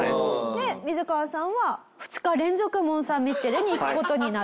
でミズカワさんは２日連続モン・サン・ミッシェルに行く事になると。